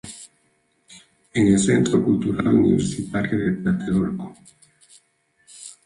En el Centro Cultural Universitario Tlatelolco.